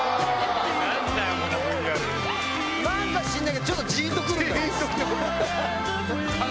何か知んないけどちょっとジンと来る。